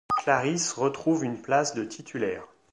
Clarisse retrouve une place de titulaire.